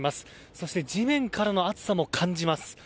そして地面からの暑さも感じます。